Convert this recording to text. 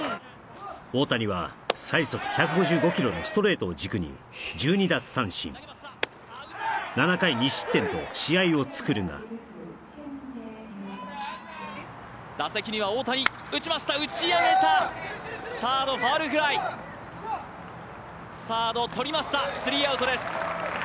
大谷は最速１５５キロのストレートを軸に１２奪三振７回２失点と試合をつくるが打席には大谷打ちました打ち上げたサードファウルフライサード取りましたスリーアウトです